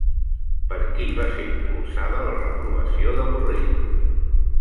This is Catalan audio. Per qui va ser impulsada la reprovació de Borrell?